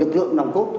lực lượng nồng cốt